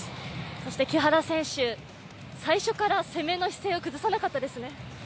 そして木原選手、最初から攻めの姿勢を崩さなかったですね。